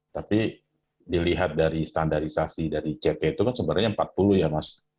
tapi dilihat dari standarisasi dari cp itu kan sebenarnya empat puluh ya mas